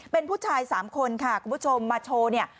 เป็นผู้ชาย๓คนค่ะคุณผู้ชมมาโชว์เนี่ย